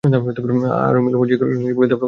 আর ইলম ও যিকিরকে নিজের বুলিতে পরিণত করুন।